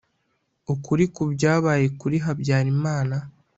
ukuri kubyabaye kuri Habyarimana